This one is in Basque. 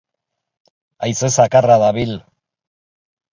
Haize zakarra dabil.